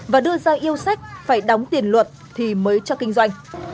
và đưa ra yêu sách phải đóng tiền luật thì mới cho kinh doanh